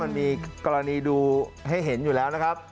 มันมีกรณีดูให้เห็นอยู่แล้วนะครับ